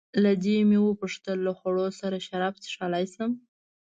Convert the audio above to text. له دې مې وپوښتل: له خوړو سره شراب څښلای شم؟